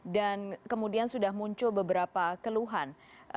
dan kemudian sudah muncul beberapa keluhan